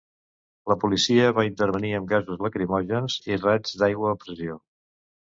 La policia va intervenir amb gasos lacrimògens i raigs d'aigua a pressió.